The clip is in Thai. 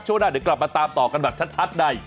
ช่วงหน้าเดี๋ยวกลับมาตามต่อกันแบบชัดใน